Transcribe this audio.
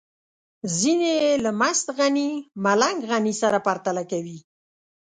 ځينې يې له مست غني ملنګ غني سره پرتله کوي.